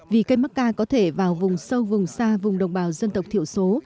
vì cây macca có thể vào vùng sâu vùng xa vùng đồng bào dân tộc thiểu số